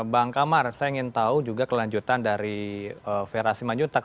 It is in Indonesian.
bang kamar saya ingin tahu juga kelanjutan dari vera simanjuntak